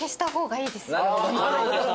なるほど。